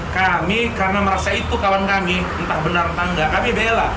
kami karena merasa itu kawan kami entah benar entah enggak kami bela